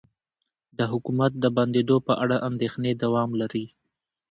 د حکومت د بندیدو په اړه اندیښنې دوام لري